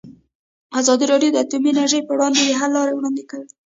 ازادي راډیو د اټومي انرژي پر وړاندې د حل لارې وړاندې کړي.